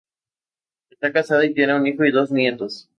Esta casada y tiene un hijo y dos nietos.